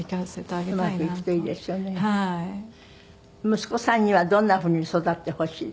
息子さんにはどんな風に育ってほしいですか？